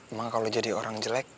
emang kalau jadi orang jelek